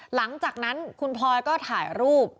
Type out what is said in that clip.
หลังจากนั้นคุณพลอยก็ถ่ายรูป